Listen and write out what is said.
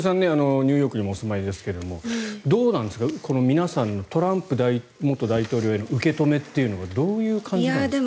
ニューヨークにもお住まいですけれどもどうなんですか、皆さんトランプ元大統領への受け止めはどういう感じなんですかね。